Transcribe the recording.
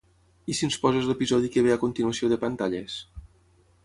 I si ens poses l'episodi que ve a continuació de "Pantalles"?